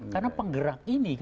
karena penggerak ini